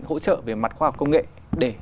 hỗ trợ về mặt khoa học công nghệ để